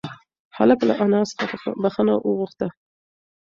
هلک له انا څخه بښنه وغوښته.